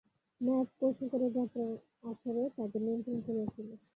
নায়েব কৌশল করে একটা যাত্রার আসরে তাদের নিমন্ত্রণ করিয়েছিল।